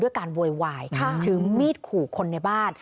การโวยวายถือมีดขู่คนในบ้าน